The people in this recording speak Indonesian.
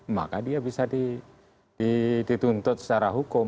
maka dia bisa dituntut secara hukum